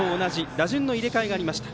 打順の入れ替えがありました。